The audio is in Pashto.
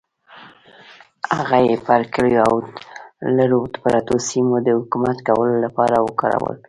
هغه یې پر کلیو او لرو پرتو سیمو د حکومت کولو لپاره وکارول.